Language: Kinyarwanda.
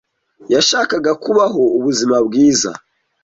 Yashakaga kubaho ubuzima bwiza.